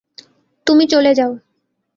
তুমি চলে যাও।